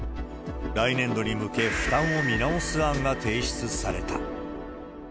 来年度に向け負担を見直す案が提出された。